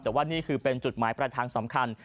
แต่ว่านี่คือเป็นจุดหมายปลายทางสำคัญ